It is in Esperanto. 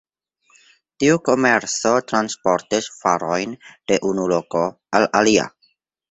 Tiu komerco transportis varojn de unu loko al alia.